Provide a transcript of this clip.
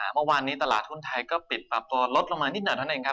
เมื่อวานนี้ตลาดทุนไทยก็ปิดปรับตัวลดลงมานิดหน่อยเท่านั้นเองครับ